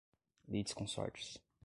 litisconsortes